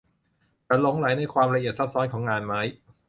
ฉันหลงใหลในความละเอียดซับซ้อนของงานไม้